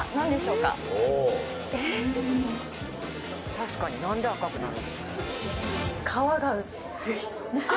確かに何で赤くなる？